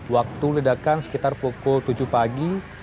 waktu ledakan sekitar pukul tujuh pagi